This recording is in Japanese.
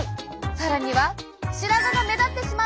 更には白髪が目立ってしまう！